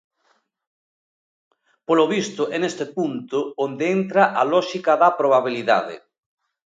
Polo visto é neste punto onde entra a lóxica da probabilidade.